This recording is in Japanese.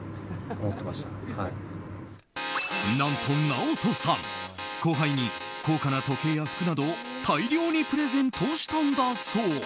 何とＮＡＯＴＯさん後輩に高価な時計や服などを大量にプレゼントしたんだそう。